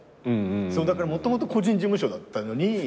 だからもともと個人事務所だったのに。